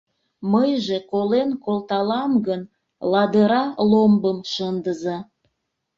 Мыйже колен колталам гын, Ладыра ломбым шындыза.